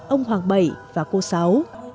ông hoàng bảy và cô sáu